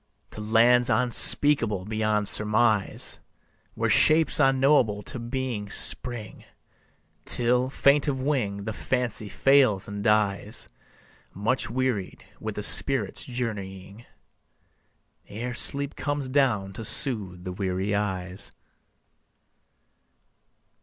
To lands unspeakable beyond surmise, Where shapes unknowable to being spring, Till, faint of wing, the Fancy fails and dies Much wearied with the spirit's journeying, Ere sleep comes down to soothe the weary eyes.